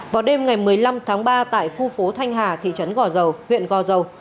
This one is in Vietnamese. vào đêm ngày một mươi năm tháng ba tại khu phố thanh hà thị trấn gò dầu huyện gò dầu